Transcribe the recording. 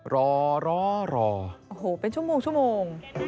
รอรอโอ้โหเป็นชั่วโมงชั่วโมง